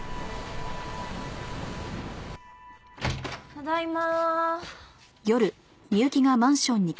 ただいま。